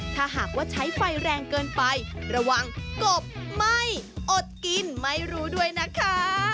ถ้าหากว่าใช้ไฟแรงเกินไประวังกบไม่อดกินไม่รู้ด้วยนะคะ